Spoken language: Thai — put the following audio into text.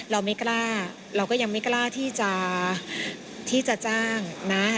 เราไม่กล้าเราก็ยังไม่กล้าที่จะจ้างนะ